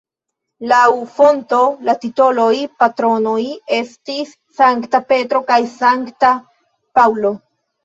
Laŭ fonto la titoloj (patronoj) estis Sankta Petro kaj Sankta Paŭlo.